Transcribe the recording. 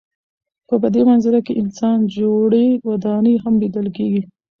په دې منظره کې انسان جوړې ودانۍ هم لیدل کېږي.